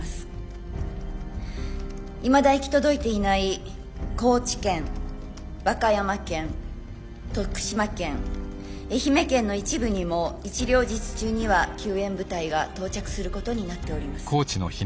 いまだ行き届いていない高知県和歌山県徳島県愛媛県の一部にも一両日中には救援部隊が到着することになっております。